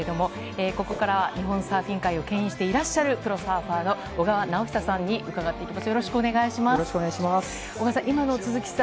ここからは日本サーフィン界をけん引していらっしゃるプロサーファーの小川直久さんに伺っていきます。